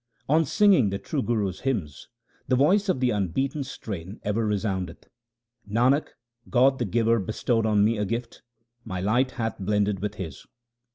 On singing the true Guru's hymns the voice of the un beaten strain ever resoundeth. Nanak, God the Giver bestowed on me a gift — my light hath blended with His.